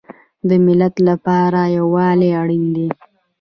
د ملت لپاره یووالی اړین دی